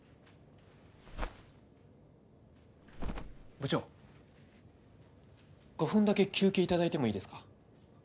部長５分だけ休憩頂いてもいいですか？